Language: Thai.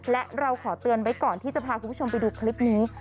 และเราขอเตือนไว้ก่อนที่จะพาคุณผู้ชมไปดูคลิปนี้